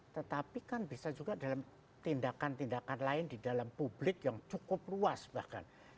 tetapi kan bisa juga dalam tindakan tindakan lain di dalam publik yang cukup luas bahkan